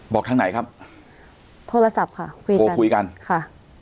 บอกทางไหนครับโทรศัพท์ค่ะคุยกันโทรคุยกันค่ะ